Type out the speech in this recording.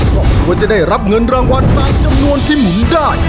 ครอบครัวจะได้รับเงินรางวัลตามจำนวนที่หมุนได้